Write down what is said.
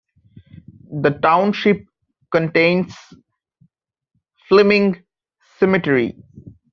The township contains Fleming Cemetery.